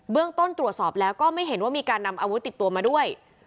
ต้นตรวจสอบแล้วก็ไม่เห็นว่ามีการนำอาวุธติดตัวมาด้วย